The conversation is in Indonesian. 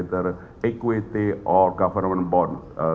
apakah ekuiti atau bond pemerintah